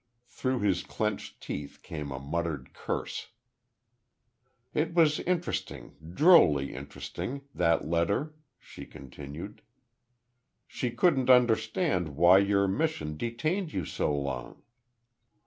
Through his clenched teeth came a muttered curse. "It was interesting, drolly interesting.... that letter." she continued. "She couldn't understand why your mission detained you so long!"